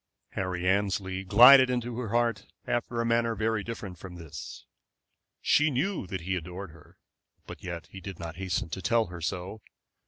Harry Annesley glided into her heart after a manner very different from this. She knew that he adored her, but yet he did not hasten to tell her so.